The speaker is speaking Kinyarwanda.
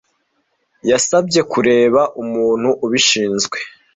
Yasabye kureba umuntu ubishinzwe.